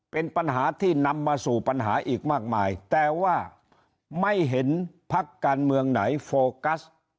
เป็นปัญหาที่นำมาสู่ปัญหาอีกมากมายแต่ว่าไม่เห็นพักการเมืองไหนโฟกัส